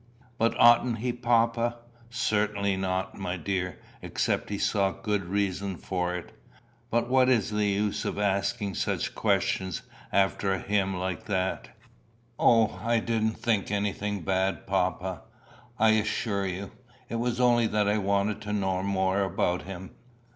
"But oughtn't he, papa?" "Certainly not, my dear, except he saw good reason for it. But what is the use of asking such questions, after a hymn like that?" "O, I didn't think anything bad, papa, I assure you. It was only that I wanted to know more about him."